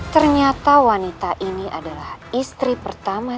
ternyata wanita ini adalah istri pertama